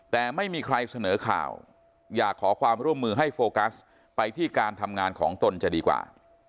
แต่ไม่มีใครเสนอข่าวอยากขอความร่วมมือให้โฟกัสไปที่การทำงานของตนจะดีกว่า